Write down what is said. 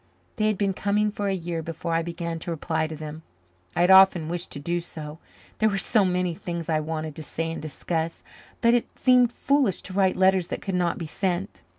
They had been coming for a year before I began to reply to them. I had often wished to do so there were so many things I wanted to say and discuss, but it seemed foolish to write letters that could not be sent.